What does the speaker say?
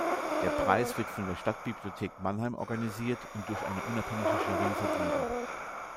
Der Preis wird von der Stadtbibliothek Mannheim organisiert und durch eine unabhängige Jury vergeben.